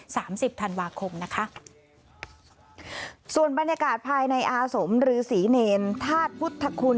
สิบธันวาคมนะคะส่วนบรรยากาศภายในอาสมฤษีเนรธาตุพุทธคุณ